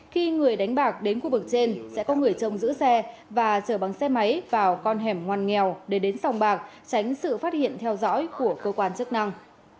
khi người đánh bạc đến khu vực trên sẽ có người trông giữ xe và chở bằng xe máy vào con hẻm ngoan nghèo để đến sòng bạc tránh sự phát hiện theo dõi của cơ quan chức năng